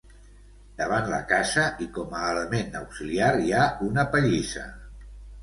Davant la casa i com a element auxiliar hi ha una pallissa.